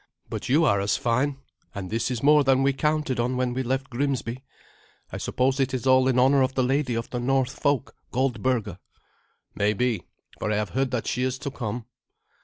But you are as fine, and this is more than we counted on when we left Grimsby. I suppose it is all in honour of the lady of the North folk, Goldberga." "Maybe, for I have heard that she is to come."